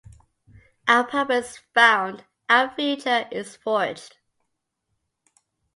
Our purpose is found. Our future is forged.